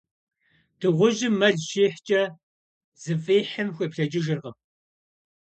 Дыгъужьым мэл щихькӏэ, зыфӏихьым хуеплӏэкӏыжыркъым.